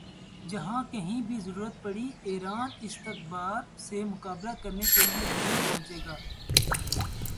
جہاں کہیں بھی ضرورت پڑی ایران استکبار سے مقابلہ کرنے کے لئے ضرور پہنچے گا